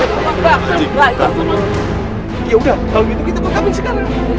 ya udah kalau gitu kita panggapin sekarang